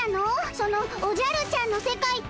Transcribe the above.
そのおじゃるちゃんの世界って。